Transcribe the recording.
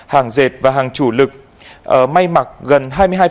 hàng dệt và hàng chủ lực may mặc gần hai mươi hai